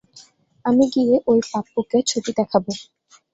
আমি গিয়ে ওই পাপ্পু কে ছবি দেখাবো।